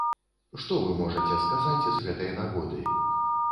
Што вы можаце сказаць з гэтай нагоды?